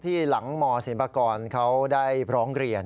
ที่หลังหมอศิลปกรณ์เขาได้ร้องเรียน